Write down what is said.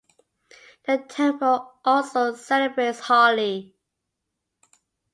The temple also celebrates Holi.